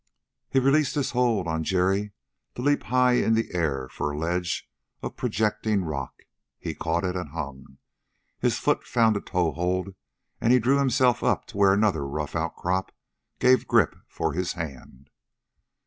He released his hold on Jerry to leap high in the air for a ledge of projecting rock. He caught it and hung. His foot found a toehold and he drew himself up to where another rough outcrop gave grip for his hand.